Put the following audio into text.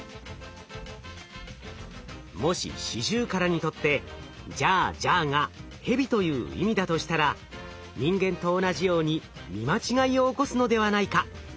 もしシジュウカラにとって「ジャージャー」が「ヘビ」という意味だとしたら人間と同じように見間違いを起こすのではないか？